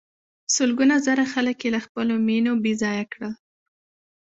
سلګونه زره خلک یې له خپلو مېنو بې ځایه کړل.